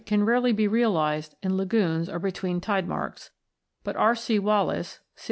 can rarely be realised in lagoons or between tide marks ; but R. C. Wallace (C.